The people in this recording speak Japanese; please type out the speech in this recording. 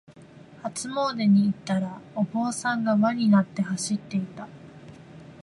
初詣に行ったら、お坊さんが輪になって走っていた。